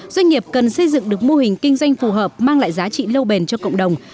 doanh nghiệp cần xây dựng được mô hình kinh doanh phù hợp mang lại giá trị lâu bền cho cộng đồng